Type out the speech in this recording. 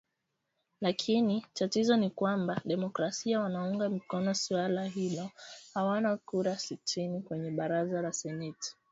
Lakini, tatizo ni kwamba wademokrasia wanaounga mkono suala hilo hawana kura sitini kwenye Baraza la Seneti kuweza kupitisha mswada kama huo